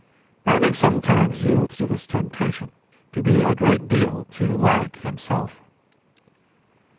Browning sometimes yielded to this temptation to be a great deal too like himself.